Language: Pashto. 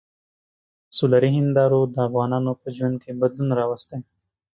سولري هندارو د افغانانو په ژوند کې بدلون راوستی.